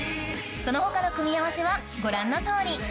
その他の組み合わせはご覧の通り